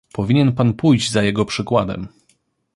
Powinien pan pójść za jego przykładem